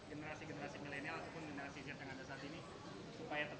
apa yang harus dilakukan oleh generasi generasi milenial